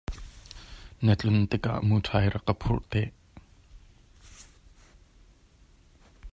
Na tlun tikah muṭhai rak ka phurh te.